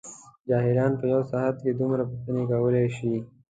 جاهلان په یوه ساعت کې دومره پوښتنې کولای شي.